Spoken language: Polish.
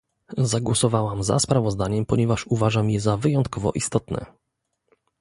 Zagłosowałam za sprawozdaniem, ponieważ uważam je za wyjątkowo istotne